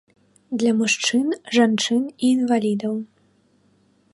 Для мужчын, жанчын і інвалідаў.